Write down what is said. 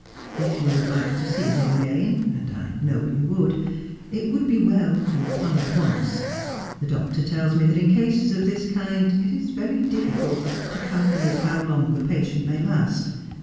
If you wotdd like to see him again, and I know you would, it would be well to come at once. The doctor tells me that in cases of this kind it is very difficult to calculate how long a patient may last.